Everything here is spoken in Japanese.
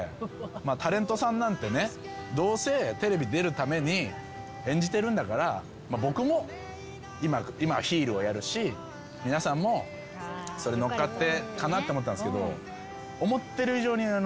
タレントさんなんてねどうせテレビ出るために演じてるんだから僕も今はヒールをやるし皆さんもそれ乗っかってかなって思ったんですけど。